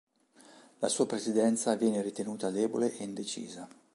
La sua presidenza viene ritenuta debole e indecisa.